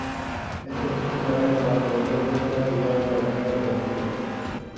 Él se puso pálido cuando se dio cuenta de que yo lo había reconocido.